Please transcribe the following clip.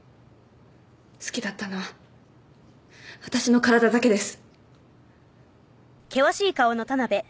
好きだったのは私の体だけです。